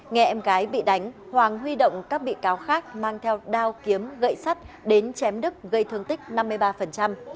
nghe em gái bị đánh hoàng huy động các bị cáo khác mang theo đao kiếm gậy sắt đến chém đức gây thương tích năm mươi ba